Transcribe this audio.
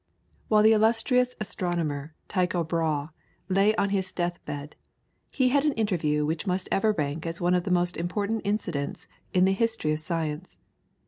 While the illustrious astronomer, Tycho Brahe, lay on his death bed, he had an interview which must ever rank as one of the important incidents in the history of science.